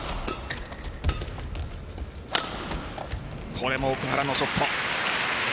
これも奥原のショット。